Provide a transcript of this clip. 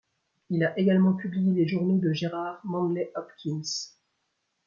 Il a également publié les journaux de Gerard Manley Hopkins.